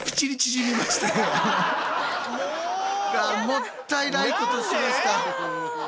もったいないことしました。